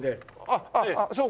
あっそう。